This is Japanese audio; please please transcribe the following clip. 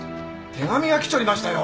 手紙が来ちょりましたよ。